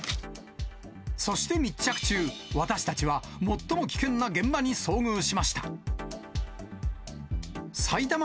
そして密着中、私たちは、最も危険な現場に遭遇しました。